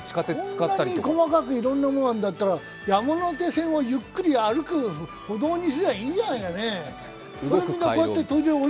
こんなに細かくいろんなものがあるんだったら、山手線をゆっくり歩く歩道にすりゃいいのにね。